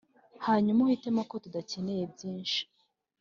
hanyuma uhitemo ko tudakeneye byinshi?